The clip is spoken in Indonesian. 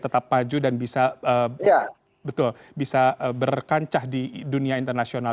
tetap maju dan bisa berkancah di dunia internasional